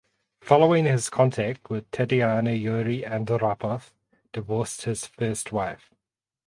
Following his contact with Tatyana Yuri Andropov divorced his first wife.